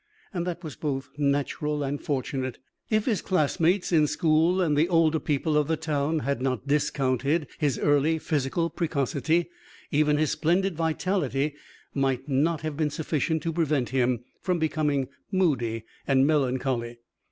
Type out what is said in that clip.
That was both natural and fortunate. If his classmates in school and the older people of the town had not discounted his early physical precocity, even his splendid vitality might not have been sufficient to prevent him from becoming moody and melancholy.